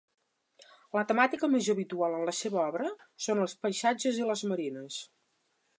La temàtica més habitual en la seva obra són els paisatges i les marines.